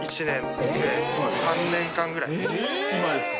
今ですか？